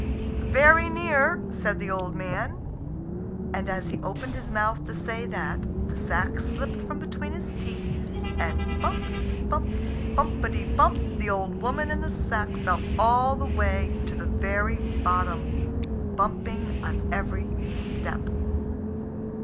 "Very near," said the old man. And as he opened his mouth to say that the sack slipped from between his teeth, and bump, bump, bumpety bump, the old woman in the sack fell all the way to the very bottom, bumping on every step.